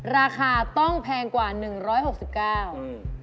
ราคาต้องแพงกว่า๑๖๙บาท